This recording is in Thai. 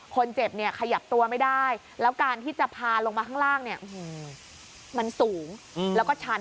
คนเจ็บเนี่ยขยับตัวไม่ได้แล้วการที่จะพาลงมาข้างล่างเนี่ยมันสูงแล้วก็ชัน